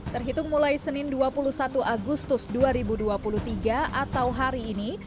terhitung mulai senin dua puluh satu agustus dua ribu dua puluh tiga atau hari ini